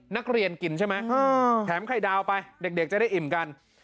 นักเรียนกินใช่ไหมแถมไข่ดาวไปเด็กจะได้อิ่มกัน